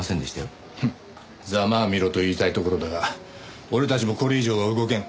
ざまあみろと言いたいところだが俺たちもこれ以上は動けん。